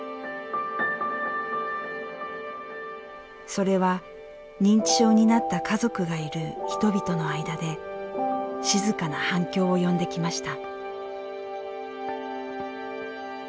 それは認知症になった家族がいる人々の間で静かな反響を呼んできました。